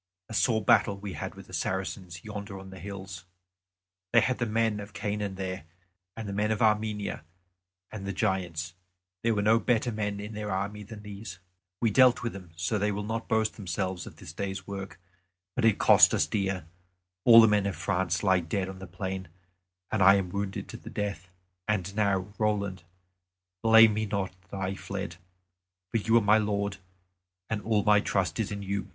A sore battle we had with the Saracens yonder on the hills; they had the men of Canaan there and the men of Armenia and the Giants; there were no better men in their army than these. We dealt with them so that they will not boast themselves of this day's work. But it cost us dear; all the men of France lie dead on the plain, and I am wounded to the death. And now, Roland, blame me not that I fled; for you are my lord, and all my trust is in you."